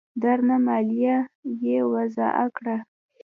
درنه مالیه یې وضعه کړه